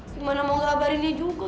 gimana mau ngabarin dia juga